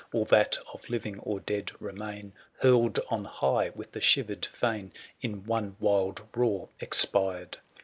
All that of living or dead remain. Hurled on high with the shivered fane^ In one wild roar expired